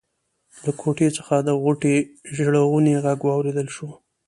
له کوټې څخه د غوټۍ ژړغونی غږ واورېدل شو.